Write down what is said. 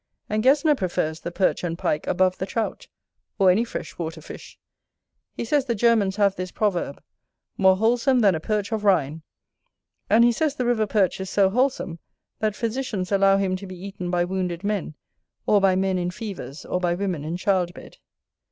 And Gesner prefers the Perch and Pike above the Trout, or any fresh water fish: he says the Germans have this proverb, "More wholesome than a Perch of Rhine": and he says the River Perch is so wholesome, that physicians allow him to be eaten by wounded men, or by men in fevers, or by women in child bed.